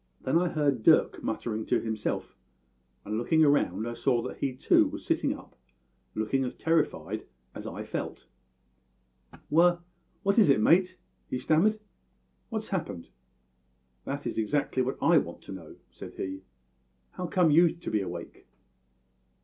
"Then I heard Dirk muttering to himself, and looking round I saw that he too was sitting up, looking as terrified as I felt. "`Wha what is it, mate?' he stammered. `What's happened?' "`That is exactly what I want to know,' said I. `How come you to be awake?'